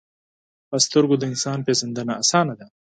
په سترګو د انسان پیژندنه آسانه ده